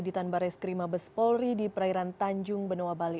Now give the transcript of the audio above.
di tanbareskri mabes polri di perairan tanjung benoa bali